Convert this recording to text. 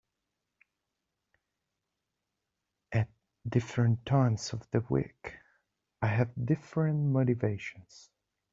At different times of the week I have different motivations.